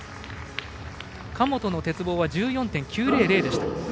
神本の鉄棒は１４．９００でした。